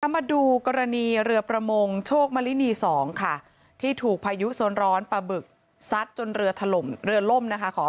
มาดูกรณีเรือประมงโชคมลินี๒ที่ถูกพายุส้นร้อนประบึกซัดจนเรือล่ม